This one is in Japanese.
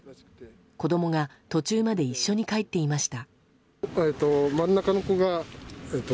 子供が途中まで一緒に帰っていました。